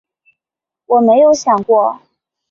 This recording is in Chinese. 我没有想过